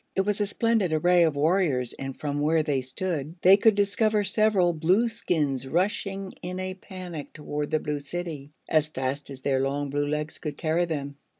It was a splendid array of warriors and from where they stood they could discover several Blueskins rushing in a panic toward the Blue City, as fast as their long blue legs could carry them.